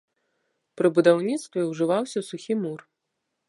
Пры будаўніцтве ўжываўся сухі мур.